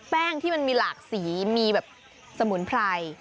แป้งที่มันมีหลากสีมีแบบสมุนไพร